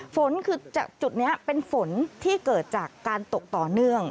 ฝนคือจุดนี้เป็นฝนที่เกิดจากการตกต่อเนื่อง